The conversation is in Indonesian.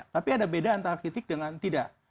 tapi ada beda antara titik dengan tidak